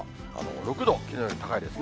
６度きのうより高いですね。